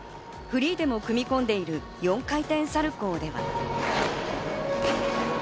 フリーでも組み込んでいる４回転サルコーでは。